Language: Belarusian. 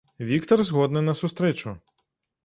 Віктар згодны на сустрэчу.